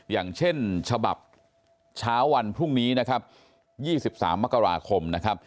อย่างเช่นฉบับเช้าวันพรุ่งนี้นะครับ๒๓มกราคมนะครับ